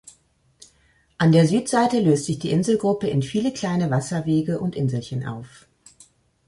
An der Südseite löst sich die Inselgruppe in viele kleine Wasserwege und Inselchen auf.